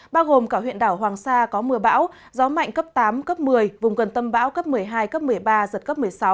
bao gồm cả huyện đảo hoàng sa có mưa bão gió mạnh cấp tám cấp một mươi vùng gần tâm bão cấp một mươi hai cấp một mươi ba giật cấp một mươi sáu